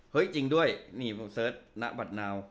เฮ้ยจริงด้วยนี่เสิร์ชนะบัดนาว